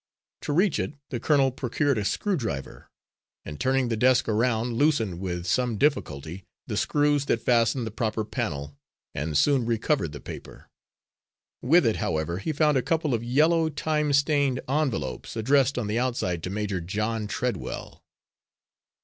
To reach it, the colonel procured a screw driver, and turning the desk around, loosened, with some difficulty, the screws that fastened the proper panel, and soon recovered the paper. With it, however, he found a couple of yellow, time stained envelopes, addressed on the outside to Major John Treadwell.